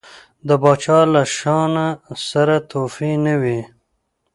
د پاچا له شانه سره تحفې نه وي.